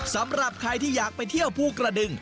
สำหรับใครที่อยากไปเที่ยวภูกระดึง